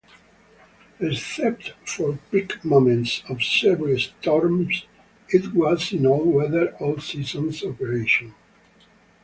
Except for peak moments of severe storms, it was an all-weather, all-seasons operation.